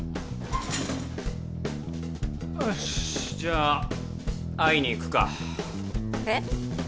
おしじゃあ会いに行くかえっ？